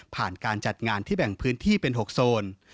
การจัดงานที่แบ่งพื้นที่เป็น๖โซน